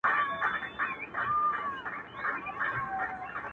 ورته شعرونه وايم,